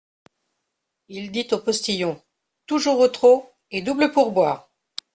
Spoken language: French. Il dit au postillon : Toujours au trot, et double pourboire.